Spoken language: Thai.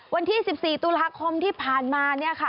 วันที่๑๔ตุลาคมที่ผ่านมาเนี่ยค่ะ